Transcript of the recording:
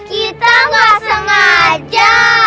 kita gak sengaja